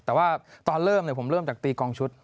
แต่ว่าตอนเริ่มผมเริ่มจากตีกองชุด